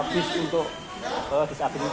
bis untuk disabilitas